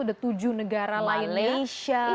ada tujuh negara lainnya